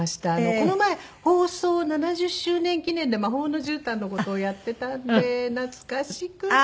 この前放送７０周年記念で『魔法のじゅうたん』の事をやってたので懐かしくて。